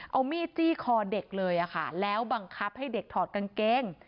เอามีดจี้คอเด็กเลยค่ะแล้วบังคับให้เด็กถอดกางเกง